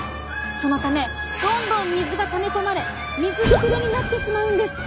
そのためどんどん水がため込まれ水ぶくれになってしまうんです。